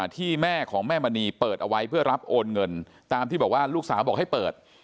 ที่แม่ของแม่มณีเปิดเอาไว้เพื่อรับโอนเงินตามที่บอกว่าลูกสาวบอกให้เปิด